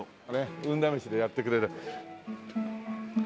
運試しでやってくれる。